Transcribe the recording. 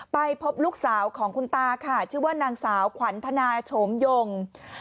ไปพบลูกสาวของคุณตาค่ะชื่อว่านางสาวขวัญธนาโฉมยง